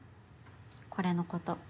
これのこと。